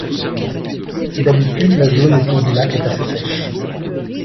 D'habitude la zone autour du lac est assez sèche.